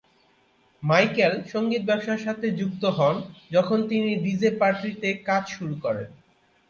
Michael সঙ্গীত ব্যবসার সাথে যুক্ত হন যখন তিনি ডিজে পার্টিতে কাজ শুরু করেন।